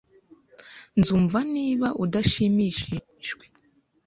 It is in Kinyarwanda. Nzumva niba udashimishijwe.